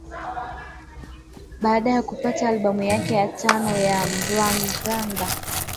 Baada ya kupata albamu yake ya tano ya Mbaqanga